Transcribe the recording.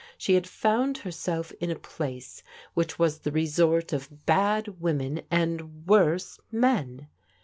She had found herself in a place which was the resort of bad women and worse men.